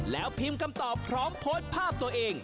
แล้วพิมพ์คำตอบพร้อมโพสต์ภาพตัวเอง